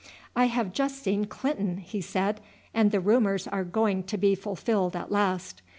"I have just seen Clinton," he said, "and the rumours are going to be fulfilled at last.